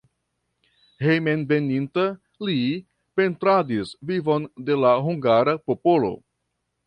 Hejmenveninta li pentradis vivon de la hungara popolo.